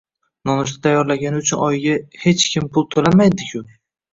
Nonushta tayyorlagani uchun oyiga hech kim pul to‘lamaydi-ku?